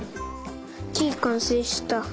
きかんせいした！